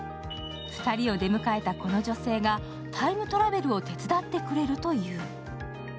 ２人を出迎えたこの女性がタイムトラベルを手伝ってくれるという。